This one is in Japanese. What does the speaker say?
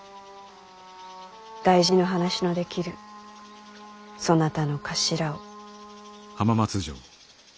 大事な話のできるそなたの頭を。